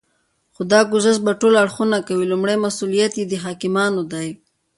خو دا ګذشت به ټول اړخونه کوي. لومړی مسئوليت یې د حاکمانو دی